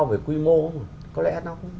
về quy mô không ạ có lẽ nó